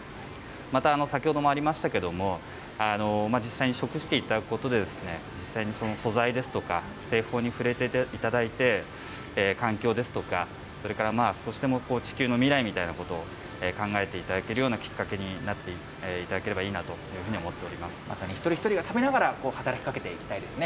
また先ほどもありましたけれども、実際に食していただくことでですね、実際にその素材ですとか、製法に触れていただいて、環境ですとか、それからまあ少しでも地球の未来みたいなことを考えていただけるようなきっかけになっていただければいいなというふうに思ってい一人一人が食べながら働きかけていきたいですね。